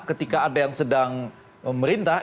ketika ada yang sedang memerintah